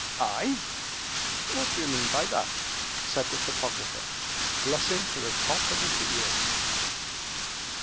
"I! what do you mean by that?" said the topographer, blushing to the top of his ears.